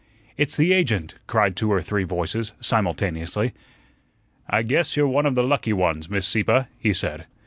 "It's the agent," cried two or three voices, simultaneously. "I guess you're one of the lucky ones, Miss Sieppe," he said.